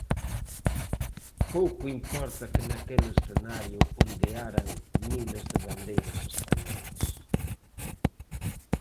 Pouco importa que naquel escenario ondearan miles de bandeiras españolas.